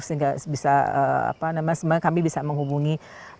semoga kami bisa menghubungi